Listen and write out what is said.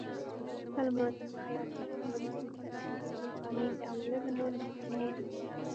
سلماني؛ خیاطي؛ په ښوونځیو کې تدریس؛ ترکاڼي د عوایدو نورې سرچینې دي.